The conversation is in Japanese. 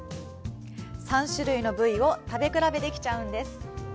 ３種類の部位を食べ比べできちゃうんです。